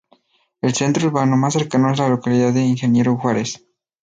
El centro urbano más cercano es la localidad de Ingeniero Juárez.